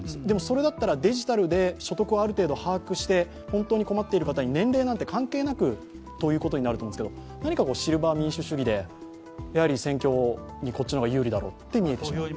でもそれだったらデジタルで所得をある程度把握して本当に困っている方に年齢なんて関係なくということになると思うんですけれども、何かシルバー民主主義で選挙にこっちが有利だろうという考えが見える。